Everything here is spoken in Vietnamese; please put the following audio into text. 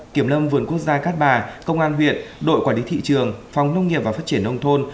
kiểm lâm vườn quốc gia cát bà công an huyện đội quản lý thị trường phòng nông nghiệp và phát triển nông thôn